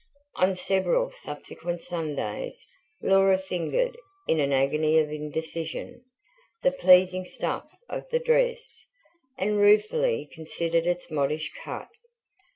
On several subsequent Sundays, Laura fingered, in an agony of indecision, the pleasing stuff of the dress, and ruefully considered its modish cut.